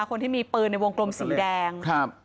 คนที่มีปืนในวงกลมสีแดงครับ